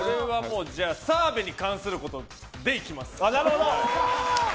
じゃあ澤部に関することでいきます。